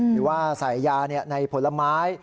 หรือว่าใส่ยาในผลไม้